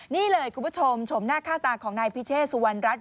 นี่เลยคุณผู้ชมชมหน้าค่าตาของนายพิเชษสุวรรณรัฐ